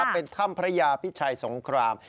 เป็นถ้ำพระยาพิชัยสงคราม